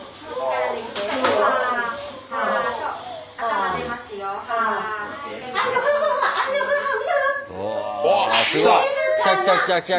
おめでとうございます。